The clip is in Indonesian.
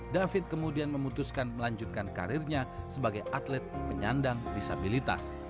david kemudian memutuskan melanjutkan karirnya sebagai atlet penyandang disabilitas